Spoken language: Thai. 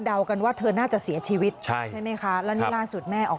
กันว่าเธอน่าจะเสียชีวิตใช่ใช่ไหมคะแล้วนี่ล่าสุดแม่ออก